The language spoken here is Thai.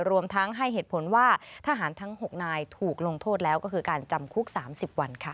รวมทั้งให้เหตุผลว่าทหารทั้ง๖นายถูกลงโทษแล้วก็คือการจำคุก๓๐วันค่ะ